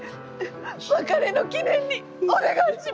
別れの記念にお願いします！